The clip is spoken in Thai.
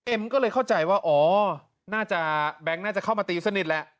เอ็มก็เลยเข้าใจว่าอ๋อแบงค์น่าจะเข้ามาตีสนิทแล้ว